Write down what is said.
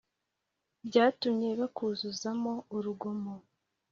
Byatumye bakuzuzamo urugomo